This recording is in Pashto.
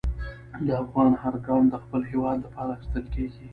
د افغان هر ګام د خپل هېواد لپاره اخیستل کېږي.